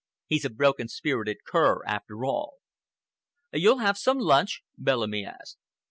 He's a broken spirited cur, after all." "You'll have some lunch?" Bellamy asked.